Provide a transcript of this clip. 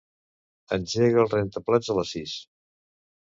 Engega el rentaplats a les sis.